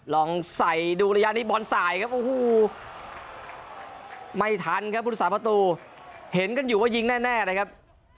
ลองใส่ดูระยะนี้บอลสายครับโอ้โหไม่ทันครับพุทธศาสประตูเห็นกันอยู่ว่ายิงแน่นะครับ